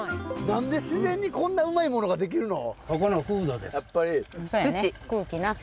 何で自然にこんなうまいものができるの？